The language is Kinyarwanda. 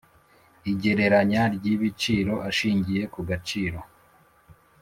igereranya ry ibiciro ashingiye ku gaciro